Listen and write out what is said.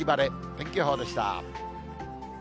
天気予報でした。